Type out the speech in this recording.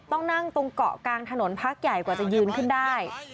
ต้องนั่งตรงเกาะกลางถนนพักใหญ่กว่าจะยืนขึ้นได้